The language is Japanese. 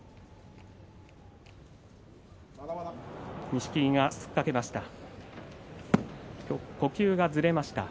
錦木が突っかけました。